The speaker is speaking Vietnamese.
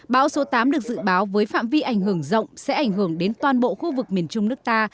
bão số tám được dự báo với phạm vi ảnh hưởng rộng sẽ ảnh hưởng đến toàn bộ khu vực miền trung nước ta